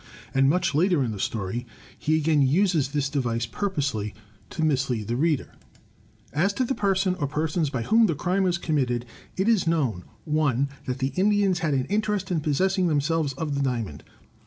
And much later in the story he again uses this device, pur posely to mislead the reader: "As to the person, or persons, by whom the crime was committed: It is known (1) that the Indians had an interest in possessing them selves of the Diamond.